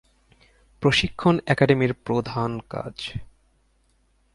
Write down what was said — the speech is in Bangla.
প্রশিক্ষণ একাডেমির প্রধান কাজ।